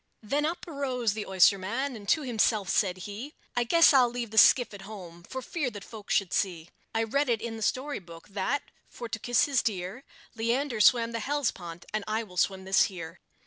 Then up arose the oysterman, and to himself said he, "I guess I'll leave the skiff at home, for fear that folks should see; I read it in the story book, that, for to kiss his dear, Leander swam the Hellespont, and I will swim this here."